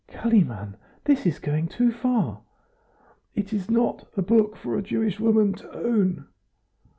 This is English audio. "Kalimann, this is going too far." "It is not a book for a Jewish woman to own."